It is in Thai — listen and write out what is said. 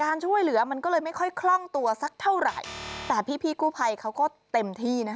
ช่วยเหลือมันก็เลยไม่ค่อยคล่องตัวสักเท่าไหร่แต่พี่พี่กู้ภัยเขาก็เต็มที่นะคะ